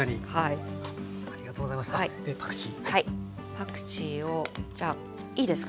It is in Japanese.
パクチーをじゃあいいですか？